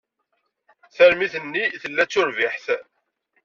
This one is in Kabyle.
Tarmit-nni tella-d d turbiḥt.